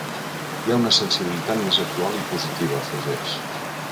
“Hi ha una sensibilitat més actual i positiva”, afegeix.